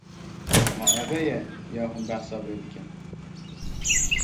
Ma ev e ya hûn behsa wê dikin?